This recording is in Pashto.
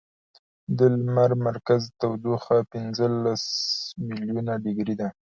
د لمر مرکز تودوخه پنځلس ملیونه ډګري ده.